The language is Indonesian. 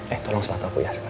eh tolong sepatu aku ya sekarang